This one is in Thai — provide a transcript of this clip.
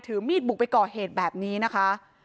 มีดบุกไปก่อเหตุแบบนี้นะคะ